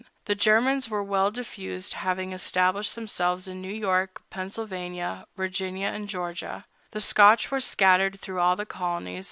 The Germans were well diffused, having established themselves in New York, Pennsylvania, Virginia, and Georgia. The Scotch were scattered through all the colonies.